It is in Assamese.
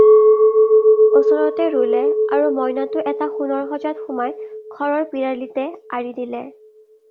ওচৰতে ৰুলে আৰু মইনাটো এটা সোণৰ সজাত সুমাই ঘৰৰ পিৰালিতে আঁৰি দিলে।